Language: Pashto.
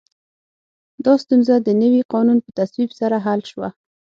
دا ستونزه د نوي قانون په تصویب سره حل شوه.